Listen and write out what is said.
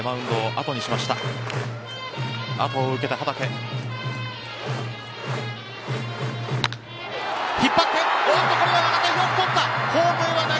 後を受けた畠。